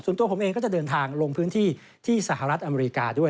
ส่วนตัวผมเองก็จะเดินทางลงพื้นที่ที่สหรัฐอเมริกาด้วย